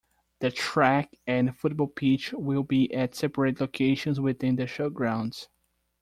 The track and football pitch will be at separate locations within the showgrounds.